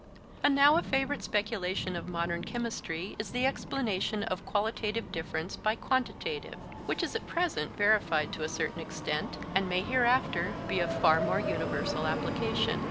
And now a favourite speculation of modern chemistry is the explanation of qualitative difference by quantitative, which is at present verified to a certain extent and may hereafter be of far more universal application.